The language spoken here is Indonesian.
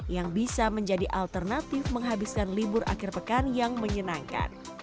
yang bisa menjadi alternatif menghabiskan libur akhir pekan yang menyenangkan